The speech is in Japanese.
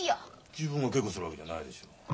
自分が稽古するわけじゃないでしょう。